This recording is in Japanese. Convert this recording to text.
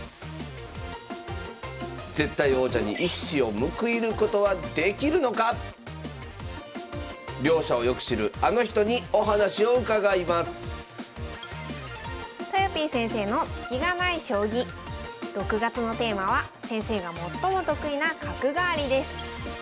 絶対王者に一矢を報いることはできるのか⁉両者をよく知るあの人にお話を伺いますとよぴー先生の「スキがない将棋」６月のテーマは先生が最も得意な「角換わり」です